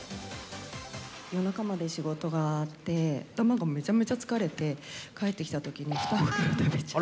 夜中まで仕事があって、頭がめちゃめちゃ疲れて、帰ってきたときに、２袋食べちゃった。